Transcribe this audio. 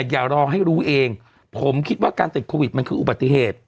อย่ารอให้รู้เองผมคิดว่าการติดโควิดมันคืออุบัติเหตุ